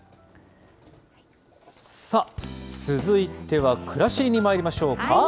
さあ、続いては、くらしりにまいりましょうか。